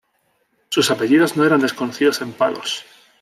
Sus apellidos no eran desconocidos en Palos.